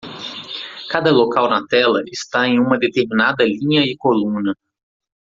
Cada local na tela está em uma determinada linha e coluna.